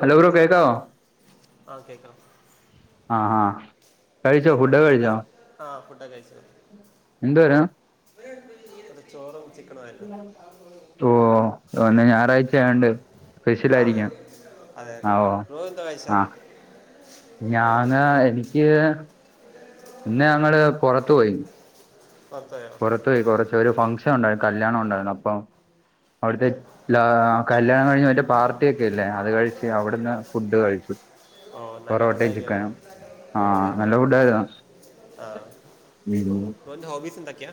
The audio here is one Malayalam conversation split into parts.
ഹലോ ബ്രോ കേക്കാവോ ആ കേൾക്കാം ആഹ് ആഹ് എന്താ ബ്രോന്റെ ഹോബിസ് ആഹ് ഫുഡൊക്കെ കഴിച്ചു. എന്തുവാരുന്നു ചോറും ചിക്കനും ആയിരുന്നു. ഓ ഇന്ന് ഞായറാഴ്ച ആയോണ്ട് സ്പെഷ്യൽ ആഹ് അതെ ആയിരിക്കും അതെയതെ ബ്രോ എന്താ കയിച്ചേ ഞാന്എനിക്ക് ഇന്നു ഞങ്ങള് പുറത്തുപോയി പുറത്തുപോയോ പുറത്തുപോയി. കുറച്ചൊരു ഫംഗ്ഷനുണ്ടായിരുന്നു. കല്യാണമുണ്ടായിരുന്നപ്പമവിടുത്തെ കല്യാണംകഴിഞ്ഞതിന്റെ പാർട്ടിയൊക്കെയില്ലേ അതുകഴിച്ച്‌ അവിടുന്ന് ഫുഡുകഴിച്ചു. ഓ നല്ല പൊറോട്ടയും, ഫുഡായിരിക്കും ചിക്കനും ഓ ആഹ്‌ നൈസ് നല്ലഫുഡായിരുന്നോ [inaudible] ഓന്റെ ഹോബീസെന്തൊക്കയാ..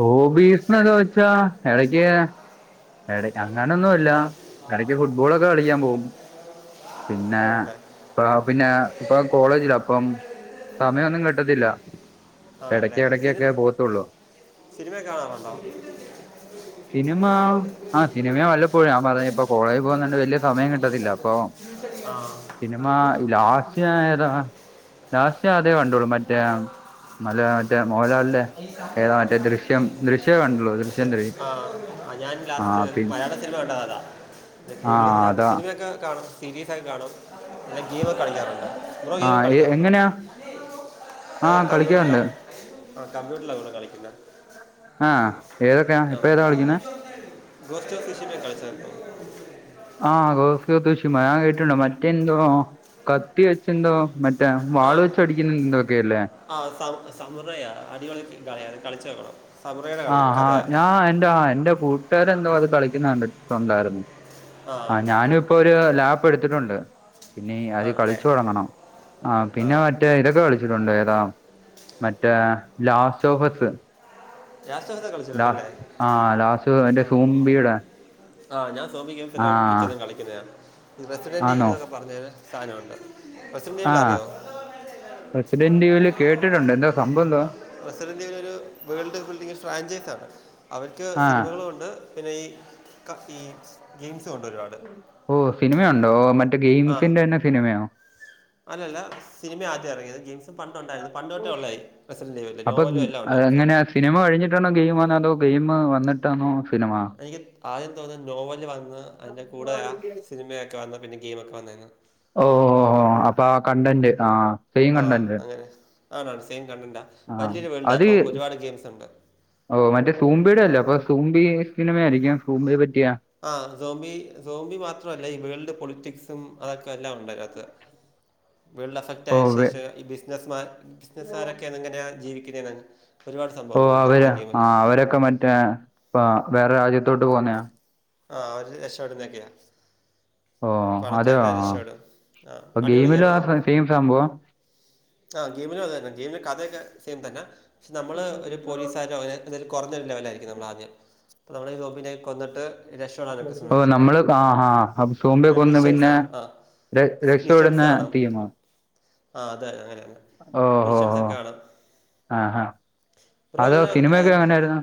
ഹോബീസെന്നൊക്കെ വെച്ചാ എടക്ക് ഇടക്കങ്ങനെയൊന്നുമില്ല, ഇടക്ക്ഫുട്ബോളൊക്കെ കളിക്കാൻ പോകും പിന്നെ ആണല്ലേ ആഹ് പിന്നെ ഇപ്പൊ കോളേജിലാ ഇപ്പം സമയൊന്നും കിട്ടത്തില്ല ഇടയ്ക്കിടയ്ക്കൊക്കെ പോകത്തുള്ളൂ സിനിമയൊക്കെ കാണാറുണ്ടോ? ആമ് ആഹ് സിനിമ വല്ലപ്പോഴ ഞാൻപറ ഇപ്പൊ കോളേജിൽ പോകുന്നുണ്ട് വലിയ സമയംകിട്ടത്തില്ല. ആ അപ്പൊസിനിമ, ലാസ്റ്റ്‌ ഞാനേതാ ലാസ്റ്റ് അതേ കണ്ടോളു മറ്റേ മല മറ്റേ മോലാലിന്റെ കണ്ടുള്ളൂ ദൃശ്യം ത്രീ ആഹ് ഞാൻ ആ ലാസ്റ്റ് പി മലയാള സിനിമ ഉണ്ടാ അതാ ആ കൂടുതലും ഞാൻ അതാ സിനിമയൊക്കെ കാണാം ടി വി ഫൈവ് കാണും അല്ല ജിയോ [inaudible] ബ്രോ ആ ഗെയിം എ- കളിക്കാറുണ്ടോ? എങ്ങനെയാ ആ കളിക്കാറുണ്ട് [unintelligible] ആഹ് കമ്പ്യൂട്ടറിലാണോ കളിക്കുന്നേ? ആ ഏതൊക്കെയാ ഇപ്പൊ ആഹ് ഏതാ കളിക്കുന്നെ ഗോസ്റ്റോഫീസ് [unintelligible] ആഹ് ഗോസ്റ്റോഫീസ് അത് ഞാൻ കേട്ടിണ്ട് മറ്റെന്തോ കത്തി വെച്ചെന്തോ മ മറ്റെ വാള് വെച്ച് അടിക്കുന്ന എന്തൊക്കെയല്ലേ ആഹ് സം സമൃദയ അടിപൊളി കളിയാ അത് കളിച്ച് നോക്കണം സമറയുടെ കളി ആഹ്ഹാ കഥയാ ഞാൻ എന്റെ എന്റെ കൂട്ടുകാർ എന്തോ അത് കളിക്കുന്നത് കണ്ടിട്ടുണ്ടായിരുന്നു ആ ആഹ് ഞാനുഇപ്പൊ ഒരു ലാപ് എടുത്തിട്ടുണ്ട് പിന്നെ ആദ്യം ആണല്ലേ കളിച്ചു തുടങ്ങണം ആ പിന്നെ മറ്റേ ഇതൊക്കെ കളി ച്ചിട്ടൊണ്ട് ഏതാ മറ്റേ ലാസ്റ്റോഫസ് ലാസ്റ്റോഫസ് കളിച്ചിട്ടുണ്ടല്ലേ ആ ലാസ്റ്റ് മറ്റേ ആഹ് സൂംബിയുടെ ആഹ് ഞാൻ സോഫി ആ ഗെയിംസ് മിക്കതും കളിക്കുന്നയാ ഈ ആന്നോ പ്രസിഡന്റയക്കെ പറഞ്ഞരു സാധനമുണ്ട് ആ ബസിമെയില് അറിയോ ആഹ് റെസിഡന്റ് ഇവല് കേട്ടിട്ടുണ്ട് എന്താ സംഭവം എന്തുവാ പ്രസിഡന്റിയരു വേൾഡ് ഫ്രാഞ്ചൈസ് ആണ് അവർക്ക് ആ സിനിമകളുണ്ട് പിന്നെ ഈ ക ഈ ഗെയിംസ് ഉണ്ട് ഒരുപാട് ഓ സിനിമയുണ്ടോ മറ്റേ ആ ഗെയിംസിന്റെ തന്നെ സിനിമയോ? അല്ലല്ല സിനിമ ആദ്യം ഇറങ്ങിയത് ഗെയിംസ് ഇത് പണ്ട് ഉണ്ടായിരുന്നു പണ്ട് തൊട്ടേ ഉള്ളതായി അപ്പൊ പ്രസന്റനോവലും എല്ലാം ഉണ്ട് അവർക്ക് എങ്ങനെയാ സിനിമ കഴിഞ്ഞിട്ടാണോ ഗെയിം അതോ ഗെയിം വന്നിട്ടാണോ സിനിമ എനിക്ക് ആദ്യം തോന്നുന്നു നോവല് വന്ന് അതിൻ്റെ കൂടെ ആ സിനിമയൊക്കെ വന്ന് പിന്നെ ഗെയിമൊക്കെ വന്നായിരുന്നു ഓഹ് അപ്പൊ ആ കണ്ടന്റ് ആഹ് ആഹ് അങ്ങനെ ആണാണ് സെയിം കണ്ടന്റാ ആ വലിയൊരു വേൾഡ് അത് അപ്പം ഒരുപാട് ഗെയിംസ് ഉണ്ട് ഓ മറ്റേ സൂമ്പിയുടെ അല്ലോ അപ്പൊ സൂമ്പി സിനിമയ ആയിരിക്കും സൂമ്പിയ പറ്റിയ ആഹ് സോമ്പി സോമ്പി മാത്രമല്ല ഈ വേൾഡ് പൊളിറ്റിക്സും അതൊക്കെ എല്ലാം ഉണ്ട് അതിനകത്തു വേൾഡ് എഫക്റ്റ് ഓ ആയ വെ- ശേഷം ഈ ബിസിനസ്സ് മാൻ ബിസിനസ്സാരൊക്കെങ്ങനെ ജീവിക്ക്ണെന്നങ്ങ് ഓ അവര് അവരൊക്കെ മറ്റേ വേറെ രാജ്യത്തോട്ട് പോകുന്നയാ ആഹ് ഒരു രക്ഷപ്പെടുന്നൊക്കെയാ ഓ അതെയോ പണക്കാരു ആ. രക്ഷോടും ആഹ് അപ്പൊ അടിപൊളി ഗെയിമിലും ഗെയിംമാത് ആ സെയിം സംഭവം ആഹ് ഗെയിമിൽ അത് തന്നെ ഗെയിമിന്റെ കഥയൊക്കെ സെയിം തന്നെ പക്ഷെ നമ്മള് ഒരു പോലീസുകാരോ അങ്ങനെ എന്തായും കുറഞ്ഞൊരു ലെവല ആയിരിക്കും നമ്മൾ ആദ്യം അപ്പ നമ്മള് റോബിനേക്ക് കൊന്നിട്ട് രഷ് ഓ നമ്മള് ആഹാ ആഹാ അപ്പൊ സോമ്പിയൊക്കൊന്ന് മിഷൻസ് പിന്നെ ആണ് ആ ര രക്ഷപ്പെടുന്ന ടീമോ? ആഹ് അതെ അങ്ങനെന്നെ ഓഹ് ഓപ്ഷൻസൊക്കെ കാണും ആഹാ ഹാ അതൊ ഇതിന് സിനിമയൊക്കെ എങ്ങനെയായിരുന്നു?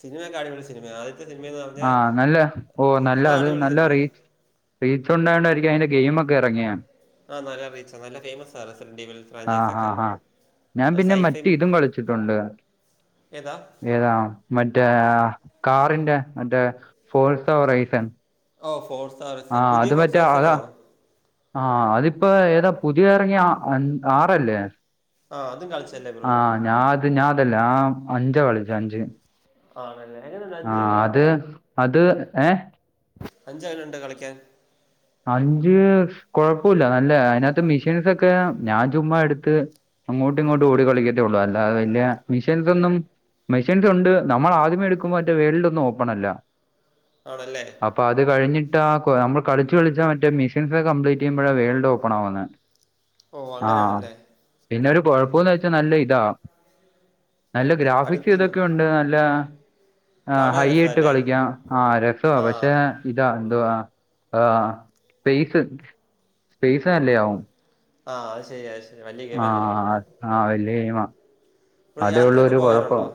സിനിമയൊക്കെ അടിപൊളി സിനിമെയാ ആദ്യത്തെ സിനിമയെന്ന് പറഞ്ഞാ ആഹ് നല്ല ഓ നല്ല അത് നല്ല റീച്ച് റീച്ചുണ്ടായോണ്ടായിരിക്കും അതിന്റെ ഗെയിമൊക്കെ എറങ്ങിയെ ആ നല്ല റീച്ചാ ആ നല്ല ഫെയ്മെസാ റെസഡ്രീവിൽ ഫ്രാഞ്ചസെക്കെ ഞ്ഞാം പിന്നെ മറ്റെയിതും കളിച്ചിട്ടുണ്ട് ഏതാ? ഏതാ മറ്റേ ആ കാറിന്റെ മറ്റേ ഫോർസെവർ റൈസൻ ഓ ഫോർസാറിസൻ പുതിയ ഫോർസാറിസനാണോ? ആ, അതിപ്പെ ഏതാ പുതിയെറങ്ങിയ ആറല്ലേ? ആ അതും കളിച്ചല്ലേ ബ്രോ ആഹ, ഞാ അത് ഞാഅതല്ല ഞ്ഞാ അഞ്ചാ കളിച്ചെ അഞ്ച് ആണല്ലേ? എങ്ങനെണ്ട് അഞ്ച് ആഹ് അത് അത് ഏ അഞ്ചെങ്ങനെണ്ട് കളിക്കാൻ? അഞ്ച് കൊഴപ്പൊല്ല, നല്ലെയാ അയിനത്ത് മിഷീൻസൊക്കെ ഞാൻ ചുമ്മായെട്ത്ത് അങ്ങോട്ടും ഇങ്ങോട്ട് ഓടി കളിക്കെത്തെയൊള്ളൂ, അല്ലതെ വല്ലെയ മിഷീൻസൊന്നും മെഷീൻസുണ്ട്. നമ്മളാദ്യമേ എടുക്കുമ്പോ മറ്റേ വേൾഡൊന്നും ഓപ്പണല്ല. ആണല്ലേ? അപ്പൊ അത് കഴിഞ്ഞിട്ട നമ്മള് കളിച്ച് കളിച്ച മറ്റെ മിഷൻസൊക്കെ കംപ്ലീറ്റെയ്യുമ്പഴാ വേൾഡ് ഓപ്പണാവുന്നെ ഓ ആഹ, അങ്ങനെയാണല്ലേ പിന്നൊരു കൊഴപ്പന്ന് വെച്ചാ നല്ലെയിതാ. നല്ല അഡിക്റ്റിങ് ഗ്രാഫിക്സിതൊക്കെയുണ്ട്, നല്ല ആ, കാണാൻ ഹൈയായിട്ട് രസമല്ലേ കളിക്കാം, ആ രസവാ ആ പക്ഷെ ഇതാ എന്തുവാ? ആഹ്, സ്പേസ് സ്പേസ് നല്ലെയാവും. ആഹ്, അഹ് ശെരി അഹ്ശെരി. ആഹ ആഹ, ആഹാ വെല്ല്യ ഗെയിമാ ബ്രോ അതെയൊള്ളു യാത്രയൊക്കെ ഒരു കൊഴപ്പം. പോകാറുണ്ടോ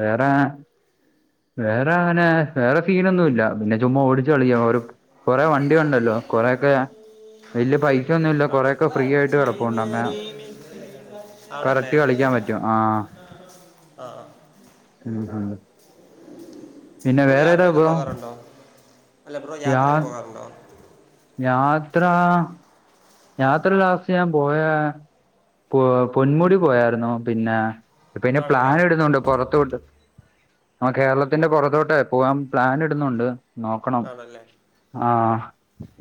വേറെ? വേറെ അങ്ങനെ വേറെ സീനൊന്നുവില്ല, പിന്നെ ചുമ്മാ ഓടിച്ച് ഇല്ല. കളിക്കാം ഓരോ കൊറെേ വണ്ടിയുണ്ടല്ലോ? കൊറേക്കെ വല്യ പൈ ആണ്, ആണല്ലേ? കറക്റ്റ് കളിക്കാൻ പറ്റും ആ ആഹ് ഹാ ഉം ഉം. പിന്നെ ബ്രോ, വേറെ ഏതാ യാത്രയൊക്കെ ബ്രോ പോകാറുണ്ടോ? അല്ല, ബ്രോ യാത്രയൊക്കെ പോകാറുണ്ടോ? യാത്രാ യാത്ര ലാസ്റ്റ് ഞ്ഞാപോയാ പൊ പൊന്മുടി പോയായിരുന്നു. പിന്നെ പിന്നെ ആണല്ലേ പ്ലാനിടുന്നുണ്ട് പൊറത്തോട്ട്. ആഹ് കേരളത്തിന്റെ പൊറത്തോട്ടേ പോവാൻ പ്ലനിടുന്നുണ്ട്, നോക്കണം. ആണല്ലേ ആഹാ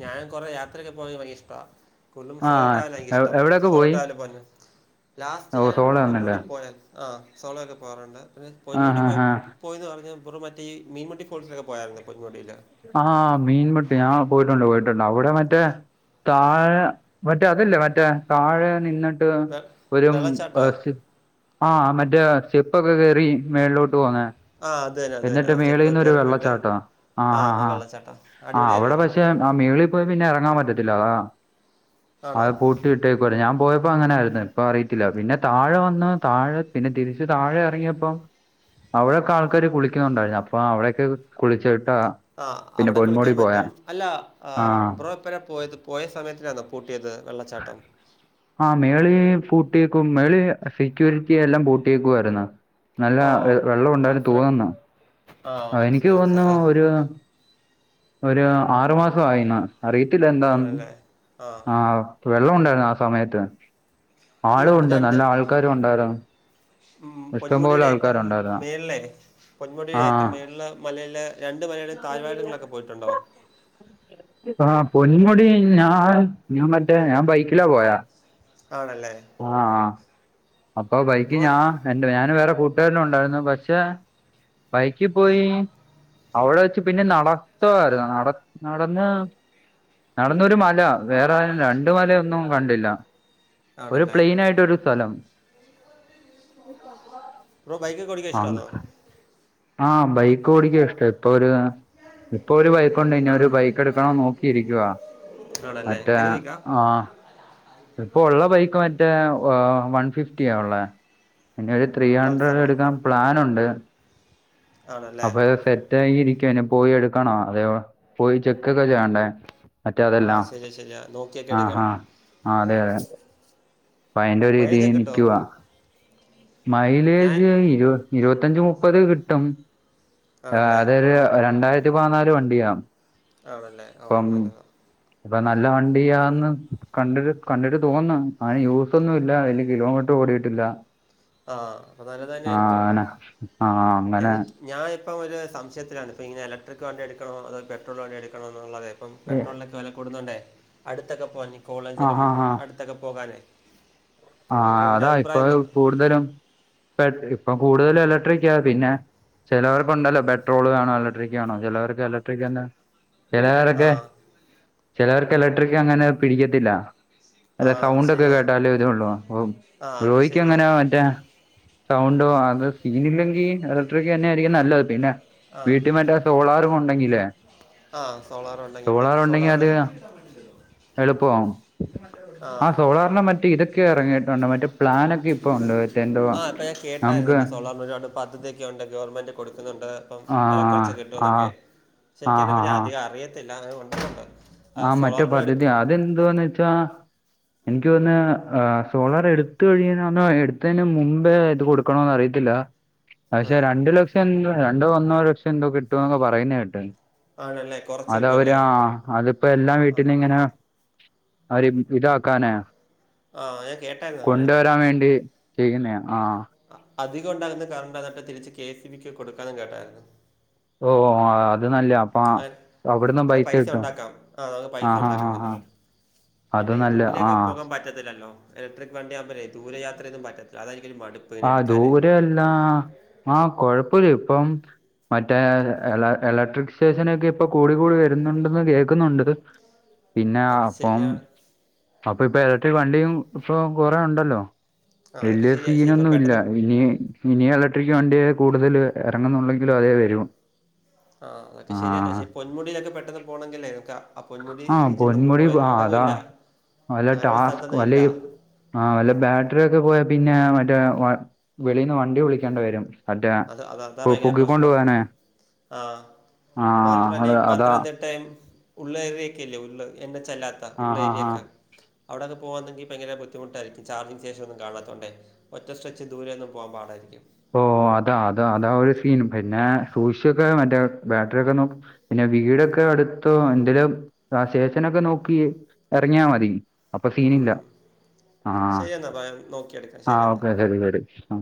ഞാൻ കൊറെ യാത്രൊക്കെ പോകയിക്ക് ഭയങ്കര ഇഷ്ടവാ കൂടുതലും ആ സോളോട്ടായെനിക്കിശ്ടം, എവിടെയൊക്കെ പോയി സോളട്ടാവാല് പോവാനാ ലാസ്റ്റ് ഓ ഞാൻ സോളോ ആന്നല്ലേ പൊന്മുടി പോയായിരുന്നു. ആഹ്, സോളൊക്കെ പോവാറുണ്ട്. പിന്നെ ആഹ് പൊന്മുടി പോയ ആഹ് യെന്ന പറഞ്ഞാ ബ്രോ മറ്റെയ് മീൻമുട്ടി ഫോൾസിലൊക്കെ പോയായിരുന്നൊ പൊൻമുടിയില്. ആഹ, മീൻമുട്ടി, ആഹാ പോയിട്ടുണ്ട് പോയിട്ടുണ്ട്. അവിടെ മറ്റെ.. താഴെ മറ്റെ അതല്ലേ മറ്റെ? താഴെ നിന്നി... ട്ട് വെരും വെള്ളച്ചാട്ടോ [unintelligible] ആ മറ്റേ സ്റ്റെപ്പൊക്കെ കേറി മേൾളോട്ട് പോവുന്നെ ആഹ അതന്നെ അതന്നെ, ആ സ്റ്റെപ്പൊക്കെ കേറിപ്പോയിട്ട്, വെള്ളച്ചാട്ടാ ആഹ് വെള്ളച്ചാട്ടം. അടിപൊളില്ലേ അത്? ആഹാ മേളില് പോയ പിന്നെയെറങ്ങാൻ പറ്റത്തില്ല അതാ. അ ആണോ ഇട്ടേകവായിര്ന്ന് ഞാൻ പോയപ്പോ അങ്ങനായിരുന്നു ഇപ്പ അറിയത്തില്ല പിന്നെ താഴെ വന്ന് താഴെ പിന്നെ തിരിച്ച് താഴെ ഇറങ്ങിയപ്പോ, അവിടെയൊക്കെ ആൾക്കാര് കുളിക്കുന്നുണ്ടായിരുന്നു അപ്പൊ അവിടെയൊക്കെ കുളിച്ചിട്ടാ ആഹ് പിന്നെ അവിടെ കളിക്കാൻ പൊന്മുടി പോയെ പറ്റും അല്ല ആഹ് ബ്രോ പോയത് പോയ സമയത്തിനാണോ പൂട്ടിയത് വെള്ളച്ചാട്ടം? ആഹ് മേളിൽ പൂട്ടിയേക്കും മേളിൽ സെക്യൂരിറ്റി എല്ലാം പൂട്ടിയേക്കായിരുന്ന് നല്ല ഓ വെള്ളം ആ ഉണ്ടായന്ന് ഫ്ര തോന്നുന്നു ആ ആഹ് എനിക്ക് മനസ്സിലായി തോന്നുന്നു മനസ്സിലായി. ഒരു ഒരു ആറു മാസയിന്നാ അറിയത്തില്ല ആ, എന്താന്ന് ആണല്ലേ ആ ആഹ് വെള്ളം ഉണ്ടായിരുന്നു ആ സമയത്ത് ഈ ആളും ഉണ്ട് നല്ല രണ്ട് ആൾക്കാരും ഉണ്ടായിരുന്നു. ഇഷ്ടംപോലെ പൊന്മുടിയുടെ ഏറ്റം ആൾക്കാരുണ്ടായിരുന്നു മേളിലെ പൊന്മുടിൽ ആ ഏറ്റവും മേളിലെ മലയിലെ രണ്ട് മലയുടെയും താഴ് വാരങ്ങളിലൊക്കെ പോയിട്ടുണ്ടോ? ആഹ് പൊന്മുടി ഞാൻ ഞാൻ മറ്റേ ഞാൻ ബൈക്കിലാ പോയാ ആണല്ലേ ആഹ് അഹ് അപ്പൊ ബൈക്ക് ബ്രോ ഞാൻ എന്റെ ഞാൻ വേറെ കൂട്ടുകാരനും ഉണ്ടായിരുന്നു പക്ഷെ ബൈക്കി പോയി അവിടെ വെച്ച് പിന്നെ നടത്തവായ്രുന്നു നട നടന്ന് നടന്നൊരു മല വേറൊലും രണ്ട് മലയൊന്നും കണ്ടില്ല ഒരു ആണല്ലേ പ്ലെയിനായിട്ട് ഒരു സ്ഥലം ബ്രോ ബൈക്ക് ഒക്കെ ഓടിക്കാൻ ഇഷ്ടാന്നൊ ആഹ് ബൈക്ക് ഓടിക്ക ഇഷ്ടേ ഇപ്പൊ ഒര് അഹ് ഇപ്പൊ ഒരു ബൈക്ക്ണ്ട് ഇനി ഒരു ബൈക്ക് എടുക്കണം നോക്കിയിരിക്കുവ ആണല്ലേ മറ്റേ ഏത് ബൈക്കാ ആഹ് ഇപ്പൊ ഉള്ള ബൈക്ക് മറ്റേ വൺ ഫിഫ്റ്റിയ ഉള്ളേ ഇനിയൊരു ത്രീ പൾസറോ ഹണ്ട്രഡ്ടെടുക്കാൻ പ്ലാൻുണ്ട് ആണല്ലേ അപ്പൊ അത് സെറ്റായി ഇരിക്കുവ ഇനി പോയി എടുക്കണം അതേവാ പോയി ചെക്കൊക്കെ ചെയ്യണ്ടേ മറ്റേ അതെല്ലാം ത് ശെരിയാ നോക്യ ആഹ് ആഹ് ആഹ് അതെ അതെ അയിന്റെ ഒരു രീതി മൈലേജൊക്കെ കിട്ടോ നിക്കുവാ ഞാൻ മൈലേജ് ഇരുവ ഇരുവത്തഞ്ച് മുപ്പത് കിട്ടും. ഏഹ് ആണല്ലേ അതൊരു രണ്ടായിരത്തി പതിനാല് വണ്ടിയാ ആണല്ലേ ഓ പ്പം നല്ലതാ ഇപ്പ നല്ല വണ്ടിയാന്ന് കണ്ടിട്ട് കണ്ടിട്ട് തോന്ന്ന്നു അയിന് യൂസൊന്നും ഇല്ല അതില് കിലോമീറ്റർ ഓടിയിട്ടില്ല ആ അപ്പോൾ നല്ലത് തന്നെ ആഹ് ആനെ ആ അങ്ങനെ ഞാ ഇപ്പം ഒരു സംശയത്തിലാണ് ഇപ്പ ഇങ്ങനെ ഇലക്ട്രിക് വണ്ടി എടുക്കണോ അതോ പെട്രോൾ വണ്ടി എടുക്കണോ എന്നുള്ളത് ഇപ്പം ഏ, പെട്രോളിന്റെക്കെ വെല കൂടുന്നുണ്ടേ അടുത്തൊക്കെ പോകൻ ആ കോളേജിലും ഹാ അടുത്തൊക്കെ പോകാനേ അപ്പം ആഹ് ബ്രോൻ്റെ അതാ ഇപ്പൊ അഭിപ്രായം എന്ത് കൂടുതലും ഇപ്പൊ കൂടുതലും ഇലക്ട്രിക്കാ പിന്നെ ചേലോർക്കുണ്ടല്ലോ പെട്രോൾ വേണോ ഇലക്ട്രിക്ക് വേണോ ചേലോർക്ക് ഇലക്ട്രിക്കന്നെ ആ ചെലവരൊക്കെ ചെലവർക്ക് എലക്ട്രിക്ക് അങ്ങനെ പിടിക്കത്തില്ല. ആ അല്ല അത് സൗണ്ട് ഒക്കെ ശരിയാ കേട്ടാലേ ഇതോള്ളൂ അപ്പൊ ആ അത് ബ്രോയിക്ക് ശരിയാ എങ്ങനാ മറ്റേ സൗണ്ടോ അത് സീൻ ഇല്ലെങ്കിൽ ഇലക്ട്രിക്ക് തന്നെ ആയിരിക്കും നല്ലത് പിന്നെ ആ വീട്ടി മറ്റേ സോളാറും ഉണ്ടെങ്കിലേ ആഹ് സോളാർ ഉണ്ടങ്കി ഇപ്പം സോളാർ എളുപ്പവാവും ആ സോളാറിൻ്റെ മറ്റേ ഇതൊക്കെ എറങ്ങിയിട്ടുണ്ട് മറ്റേ പ്ലാനൊക്കെ ഇപ്പൊ ഉണ്ട് മറ്റെ എന്തോവാ ആ ഇപ്പം ഞാൻ കേട്ടായിരുന്നു നമുക്ക് എൻ്റെ സോളാറിന് ഒരുപാട് പദ്ധതിയൊക്കെ ഉണ്ട് ഗവൺമെൻ്റ് കൊടുക്കുന്നുണ്ട് അപ്പം ആ വെല കൊർച്ച് ആ കിട്ടുവന്നൊക്കെ പക്ഷെ ആ ഹാ എനിക്കതിനെപ്പറ്റി അധികം അറിയത്തില്ല അതു ഒണ്ടന്നുള്ളത് ആഹ് മറ്റേ പദ്ധതി അതെന്തുവാന്ന് വെച്ചാ എനിക്ക് തോന്നെ സോളാർ എടുത്ത് കഴിയുന്നൊണ്ടോ എടുത്തതിന് മുമ്പേ ഇത് കൊടുക്കണോന്ന് അറിയത്തില്ല പക്ഷെ ആ രണ്ടു ലക്ഷം എന്ദൂ രണ്ടോ ഒന്നോ ലക്ഷം എന്തോ കിട്ടുവോക്കെ പറയ്ന്ന കേട്ടെ ആണല്ലേ കൊറച്ച് കിട്ടും അല്ലേ അതിപ്പോ എല്ലാം ആ വീട്ടിന്ന് ഇങ്ങനെ അവര് ഇതാക്കാനേ ആഹ ഞാൻ കേട്ടായിരുന്നു അങ്ങനെ മ് ചെയ്യുന്നെ ആഹ് അധികം ഉണ്ടാകുന്ന കറണ്ട് അതട്ടെ തിരിച്ച് കെ സി ബിക്ക് കൊടുക്കാനും കേട്ടായിരുന്ന് ഓ ഓ അത് നല്ല അപ്പൊ ആ അവിടുന്നും അങ്ങനെ പൈസ കിട്ടും ഒണ്ടാക്കാം ആ നമുക്ക് പൈസ ആ ആ ഒണ്ടാക്കാം ആ അങ്ങനെ ആ അത് പിന്നെ ഈ നല്ല ആ ദൂരെയൊക്കെ പോകാൻ പറ്റത്തില്ലല്ലോ ഇലക്ട്രിക് വണ്ടിയാകുമ്പോയേ ദൂരെ യാത്രൊന്നും പറ്റത്തില്ല. രാധാരിക് മടി ആ ദൂരെ അല്ലാ ആഹ കൊഴപ്പെല്ല ഇപ്പം മറ്റേ എല എലക്ട്രിക് സ്റ്റേഷനൊക്കെ ഇപ്പൊ കൂടി കൂടി വരുന്നുണ്ടന്ന് കേക്കുന്നുണ്ട് പിന്നെ അത് അപ്പം ശരിയാണ് അപ്പൊ ഇപ്പൊ ഏരട്ടി വണ്ടിയും ഫോ കുറേ ഉണ്ടല്ലോ അ അക്കെ വലിയ ശരിയ ശെപ്പ ഒന്നും ഇല്ല പെട്ടെന്ന് ഇനി ഇനി ഇലക്ട്രിക്ക് വണ്ടിയെ കൂടുതല് എ റങ്ങുന്നുണ്ടെങ്കിലും അതേ വരു ആ അക്കെ ശരിയന്നെ ശരി പൊന്മുടിയിക്കെ പെട്ട ന്ന് പോണങ്കി നമക്കാ ആ പൊന്മുടി ആ രീച് നമ്മൾ പൊന്മുടി പോയ പോ- ആ അവിങ്ങും അതാ ഇല്ല അത സ്ഥലത്ത്ന്നും ഇല്ല ആഹ വല്ല ബാട്രിക്കെ പോയാ പിന്നെ മറ്റേ വ വെളിന്ന് വണ്ടി വിളിക്കേണ്ട വരും അറ്റേ അത് അത് അതാ ഭയങ്കര പൊക്കുകി ക്കൊണ്ട് പ്രശ്നം വാനെ ആ ആ അത് അതാ ടൈം ഉള്ള ഏരിക്കല്ലേ ഉ ള്ള് എന്നെ ചല്ലാത്ത ആ ഉള്ള ആ ഏരിക്കെ ആ ത അവിടെന്ന് പോകവാങ്കപ്പങ്ങനെ ബുദ്ധമുട്ടായിരിക്കും ചാർമിങ് സ്റ്റെഷൻ ഒന്നും കാണത്തോണ്ടേ ഒറ്റ സ്ട്രെച്ച് ദൂരെ ന്നും പോകാ പാടായിരിക്കും. ഓ അതാ അത അതാ ഒരു ഫിൻ പിന്നെ സൂഷ്ച് ഒക്കെ മറ്റേ ബാട്രി ഒക്കെ നോക് പിന്നെ വീടൊക്കെ അടുത്തോ എന്ത ലുംശേഷനൊക്കെ നോക്കി ഇറങ്ങിയ മതി അപ്പൊ ഫിനില്ല ഉം. ആ ശരി എന്നാൽ നോക്കിയെടുക്കാം ആ ശരി എന്നാൽ ഓക്കെ കെട് കെട് ആ